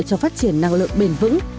cho phát triển năng lượng bền vững